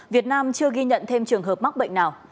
việt nam chưa ghi nhận thêm trường hợp mắc bệnh nào